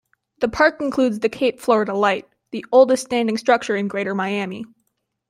The park includes the Cape Florida Light, the oldest standing structure in Greater Miami.